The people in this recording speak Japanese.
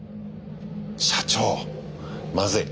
社長まずい！